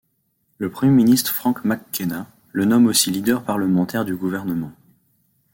Le Premier ministre Frank McKenna le nomme aussi leader parlementaire du gouvernement.